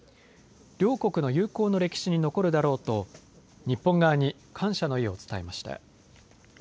両国の友好の歴史に残るだろうと日本側に感謝の意を伝えました。